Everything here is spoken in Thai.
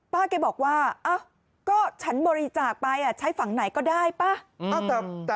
แกบอกว่าก็ฉันบริจาคไปใช้ฝั่งไหนก็ได้ป่ะ